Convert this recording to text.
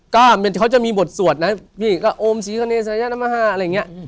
ก็เขาจะมีบทสวรรค์นะพี่ก็โอ้มศรีขณฑ์สัญญาณมหาว์อะไรอย่างเงี้ย